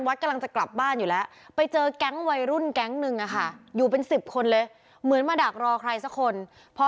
วัดกำลังจะกลับบ้านอยู่แล้วไปเจอแก๊งวัยรุ่นแก๊งหนึ่ง